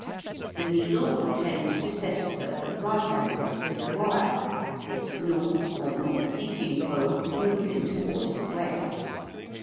The needle will tend to set itself at right angles to the wire, its north or north seeking pole moving towards the west.